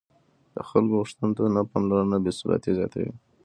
د خلکو غوښتنو ته نه پاملرنه بې ثباتي زیاتوي